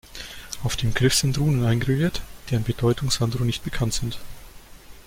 Auf dem Griff sind Runen eingraviert, deren Bedeutung Sandro nicht bekannt sind.